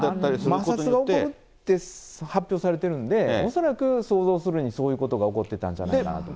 摩擦が起こるって発表されてるんで、恐らく想像するに、そういうことが起こってたんじゃないかなと。